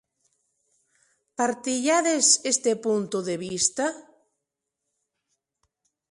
Partillades este punto de vista?